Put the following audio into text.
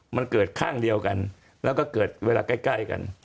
มันเกิดข้างเดียวกันแล้วก็เกิดเวลาใกล้กัน